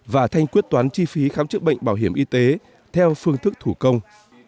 và thanh quyết toán chi phí khám chữa bệnh bảo hiểm y tế theo phương thức thủ công